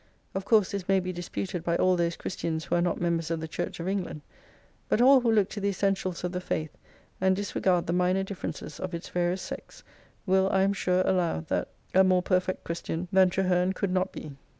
Of course this may be disputed by all those Christians who are not members of the Church of England ; but all who look to the essentials of the faith, and disregard the minor differences of its various sects, will, I am sure, allow that a more perfect Christian xxviii than Traherne could not be.